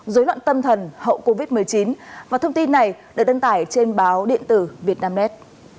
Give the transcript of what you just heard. dối loạn tâm thần hậu covid một mươi chín và thông tin này được đăng tải trên báo điện tử việt nam med